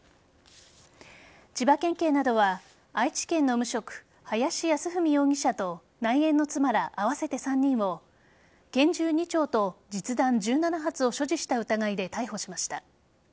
千葉県警などは愛知県の無職・林保文容疑者と内縁の妻ら、合わせて３人を拳銃２丁と実弾１７発を所持した疑いで逮捕しました。